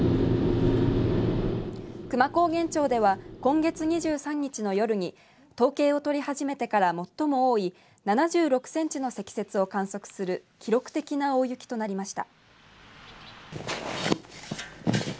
久万高原町では今月２３日の夜に統計を取り始めてから最も多い７６センチの積雪を観測する記録的な大雪となりました。